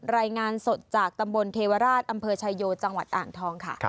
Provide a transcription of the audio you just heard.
รายงานสดจากตำบลเทวราชอำเภอชายโยจังหวัดอ่างทองค่ะ